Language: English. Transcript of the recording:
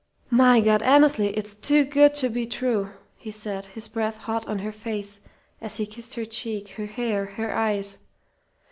"My God, Annesley, it's too good to be true!" he said, his breath hot on her face as he kissed her cheek, her hair, her eyes.